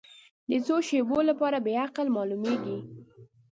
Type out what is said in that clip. د څو شیبو لپاره بې عقل معلومېږي.